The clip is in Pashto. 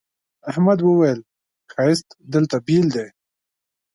احمد وويل: ښایست دلته بېل دی.